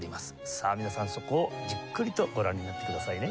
さあ皆さんそこをじっくりとご覧になってくださいね。